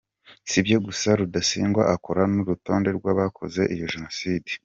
Si ibyo gusa, Rudasingwa akora n’urutonde rw’abakoze iyo Jenoside.